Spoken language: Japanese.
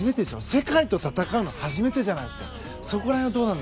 世界と戦うのは初めてじゃないですか。